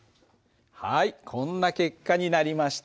はいこんな結果になりました。